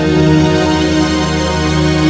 aku mau pergi ke rumah